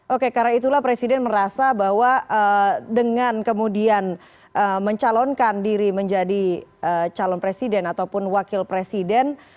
oke karena itulah presiden merasa bahwa dengan kemudian mencalonkan diri menjadi calon presiden ataupun wakil presiden